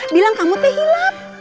bilang kamu teh hilang